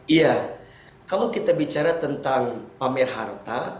iya kalau kita bicara tentang pamer harta